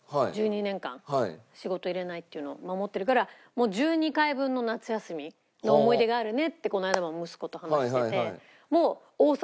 １２年間仕事入れないっていうのを守ってるからもう１２回分の夏休みの思い出があるねってこの間も息子と話してて。